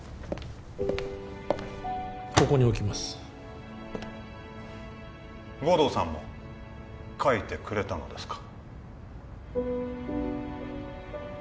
ここに置きます護道さんも書いてくれたのですか？